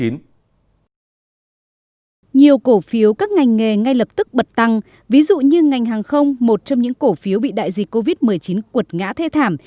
nhiều cổ phiếu các ngành nghề ngay lập tức bật tăng ví dụ như ngành hàng không một trong những cổ phiếu bị đại dịch covid một mươi chín cuột ngã thê thảm